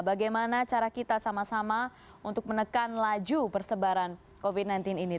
bagaimana cara kita sama sama untuk menekan laju persebaran covid sembilan belas ini